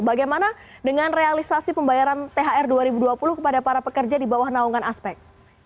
bagaimana dengan realisasi pembayaran thr dua ribu dua puluh kepada para pekerja di bawah naungan aspek